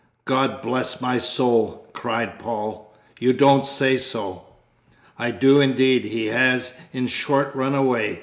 "God bless my soul!" cried Paul. "You don't say so!" "I do indeed; he has, in short, run away.